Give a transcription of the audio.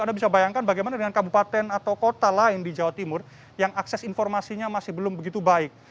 anda bisa bayangkan bagaimana dengan kabupaten atau kota lain di jawa timur yang akses informasinya masih belum begitu baik